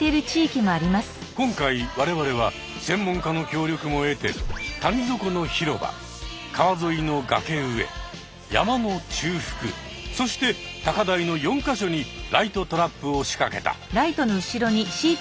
今回我々は専門家の協力も得て谷底の広場川ぞいの崖上山の中腹そして高台の４か所にライトトラップをしかけた。